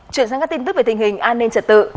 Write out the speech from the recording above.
chuyển sang các tin tức về tình hình an ninh trật tự